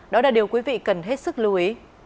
điều quý vị cần hết sức lưu ý